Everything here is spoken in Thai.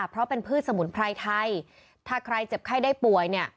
เพราะเป็นพืชสมุนไพรไทยถ้าใครเจ็บไข้ได้ป่วยเนี่ย